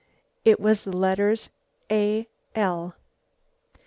It was the letters A. L.